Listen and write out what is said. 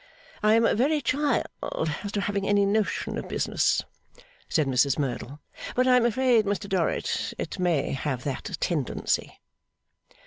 I am a very child as to having any notion of business,' said Mrs Merdle; 'but I am afraid, Mr Dorrit, it may have that tendency.